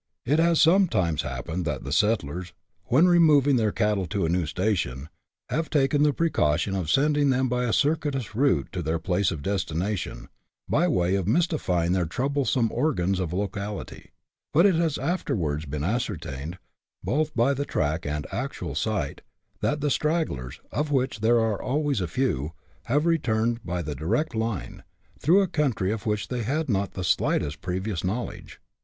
It has sometimes happened that settlers, when removing their cattle to a new station, have taken the precaution of sending them by a circuitous route to their place of destination, by way of mystifying their troublesome organs of locality ; but it has afterwards been ascertained, both by the track and actual sight, that the stragglers, of which there are always a few, have returned by the direct line, through a country of which they had not the slightest previous knowledge.